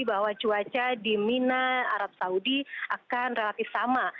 bahwa cuaca di mina arab saudi akan relatif sama